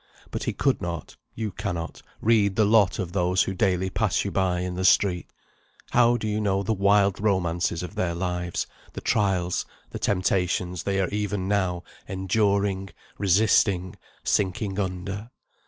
But he could not, you cannot, read the lot of those who daily pass you by in the street. How do you know the wild romances of their lives; the trials, the temptations they are even now enduring, resisting, sinking under?